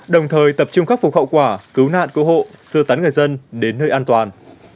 đồng thời tập trung khắc phục hậu quả cứu nạn cứu hộ sơ tán người dân đến nơi an toàn